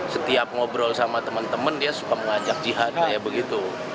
setiap ngobrol sama teman teman dia suka mengajak jihad ya begitu